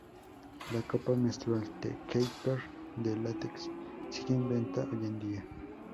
La copa menstrual "The Keeper", de látex, sigue en venta hoy en día.